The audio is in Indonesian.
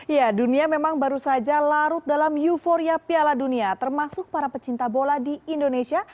ya dunia memang baru saja larut dalam euforia piala dunia termasuk para pecinta bola di indonesia